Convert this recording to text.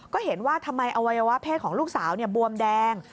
ก็เห็นว่าทำไมอวัยวะเพศของลูกสาวบวมแดง